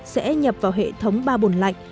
sẽ nhập vào hệ thống ba bồn lạnh